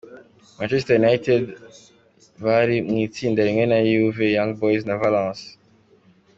Manchester United bari mw'itsinda rimwe na Juve, Young Boys na Valence.